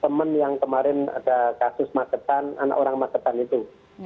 teman yang kemarin ada kasus macetan anak orang macetan itu